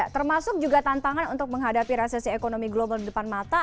termasuk juga tantangan untuk menghadapi resesi ekonomi global di depan mata